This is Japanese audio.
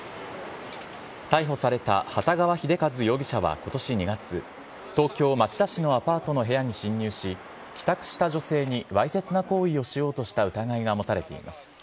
逮捕された幟川秀一容疑者はことし２月、東京・町田市のアパートの部屋に侵入し、帰宅した女性にわいせつな行為をしようとした疑いが持たれています。